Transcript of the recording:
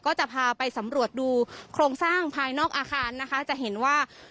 ก็จะพาไปสำรวจดูโครงสร้างภายนอกอาคารนะคะจะเห็นว่า